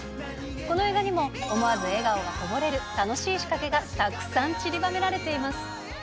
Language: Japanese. この映画にも、思わずこぼれる楽しいしかけがたくさんちりばめられています。